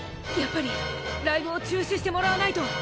やっぱりライブを中止してもらわないと！！